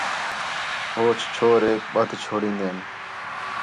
ہوچ چھوریک بدھ چھوڑین٘دے ہین